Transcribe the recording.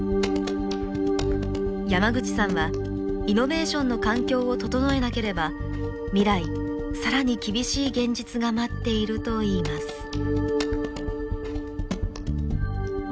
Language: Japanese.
山口さんはイノベーションの環境を整えなければ未来更に厳しい現実が待っているといいます。